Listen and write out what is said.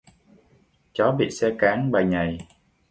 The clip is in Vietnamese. Chó bị xe cán bầy nhầy